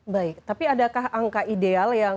baik tapi adakah angka ideal yang